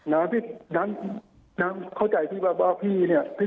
น้ำเข้าใจว่าพี่เนี่ย